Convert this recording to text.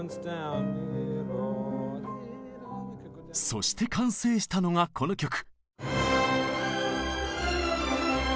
そして完成したのがこの曲。